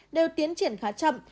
đều tiến triển khá chậm